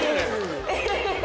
エヘヘ。